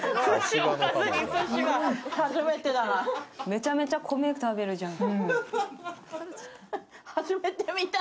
めちゃめちゃ米食べるじゃん。